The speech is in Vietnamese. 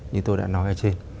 như tôi đã nói ở trên